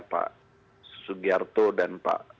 pak sugyarto dan pak